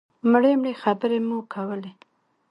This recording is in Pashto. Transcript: مړې مړې خبرې مو کولې.